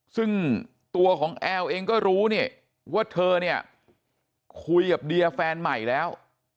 ซึ่งตัวของแอลเองก็รู้เนี่ยว่าเธอเนี่ยคุยกับเดียแฟนใหม่แล้ว